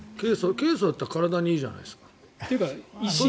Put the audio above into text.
ケイ素だったら体にいいじゃないですか。